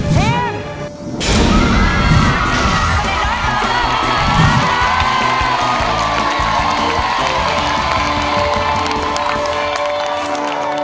สลิดน้อยต่อมา